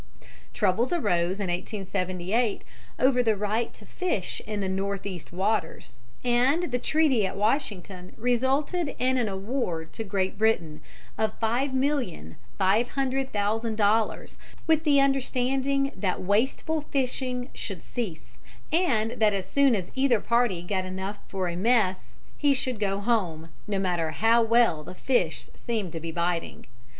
Troubles arose in 1878 over the right to fish in the northeast waters, and the treaty at Washington resulted in an award to Great Britain of five million five hundred thousand dollars, with the understanding that wasteful fishing should cease, and that as soon as either party got enough for a mess he should go home, no matter how well the fish seemed to be biting.